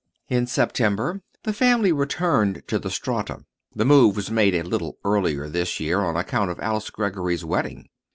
In September the family returned to the Strata. The move was made a little earlier this year on account of Alice Greggory's wedding.